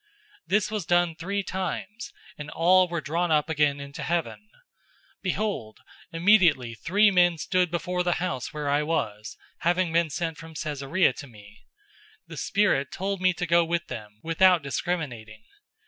011:010 This was done three times, and all were drawn up again into heaven. 011:011 Behold, immediately three men stood before the house where I was, having been sent from Caesarea to me. 011:012 The Spirit told me to go with them, without discriminating.